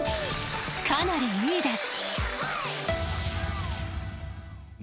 ［かなりいいです］